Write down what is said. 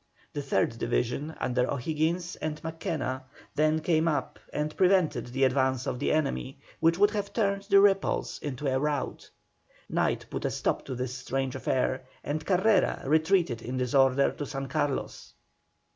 The third division, under O'Higgins and Mackenna, then came up and prevented the advance of the enemy, which would have turned the repulse into a rout. Night put a stop to this strange affair, and Carrera retreated in disorder to San Carlos.